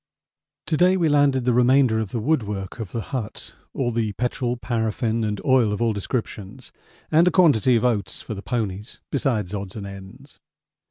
To day we landed the remainder of the woodwork of the hut, all the petrol, paraffin and oil of all descriptions, and a quantity of oats for the ponies besides odds and ends.